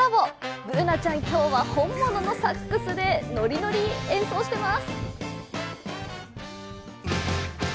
Ｂｏｏｎａちゃん、今日は本物のサックスでノリノリに演奏してます。